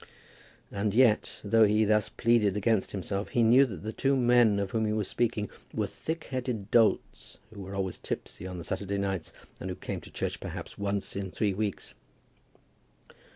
And yet, though he thus pleaded against himself, he knew that the two men of whom he was speaking were thick headed dolts who were always tipsy on Saturday nights, and who came to church perhaps once in three weeks.